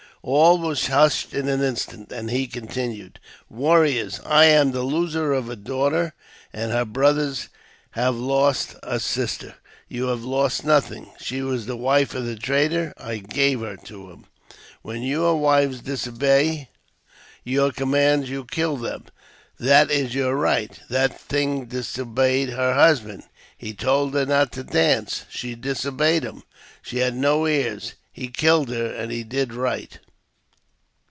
All was hushed in an instant, and he continued :" Warriors ! I am the loser of a daughter, and her brothers have lost a sister ; you have lost nothing. She was the wife of the trader; I gave her to him. When your wives disobey your commands, you kill them ; that is your right. That thing disobeyed her husband ; he told her not to dance ; she disobeyed him ; she had no ears ; he killed her, and he did right.